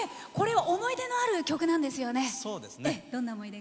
思い出のある曲なんですよね。